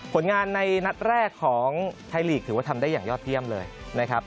ผลงานในนัดแรกของไทยลีกถือว่าทำได้อย่างยอดเยี่ยมเลยนะครับ